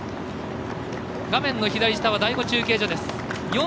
画面の左下は第５中継所です。